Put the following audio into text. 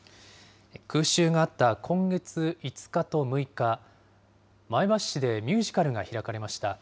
空襲があった今月５日と６日、前橋市でミュージカルが開かれました。